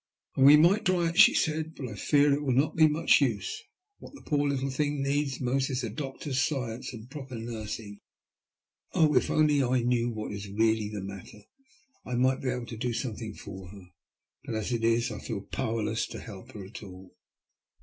" We might try it," she said. " But I fear it will not be much use. What the poor little thing needs most is a doctor's science and proper nursing. Oh ! if I only knew what is really the matter, I might be able to do something for hor. But, as it is, I feel powerless to help her at all."